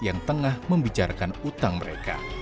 yang tengah membicarakan utang mereka